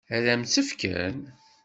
Ad m-tt-fken?